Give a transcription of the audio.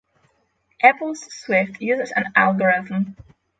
Apple's Swift uses an algorithm